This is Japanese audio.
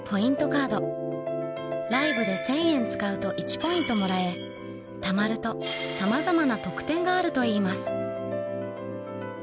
カードライブで１０００円使うと１ポイントもらえたまるとさまざまな特典があるといいます